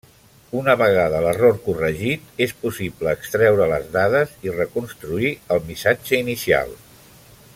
Una vegada l'error corregit, és possible extreure les dades i reconstruir el missatge inicial.